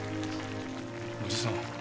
おじさん。